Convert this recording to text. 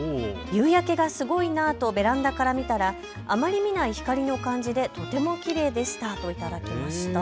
夕焼けがすごいなとベランダから見たらあまり見ない光の感じでとてもきれいでしたと頂きました。